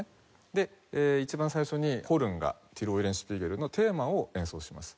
で一番最初にホルンがティル・オイレンシュピーゲルのテーマを演奏します。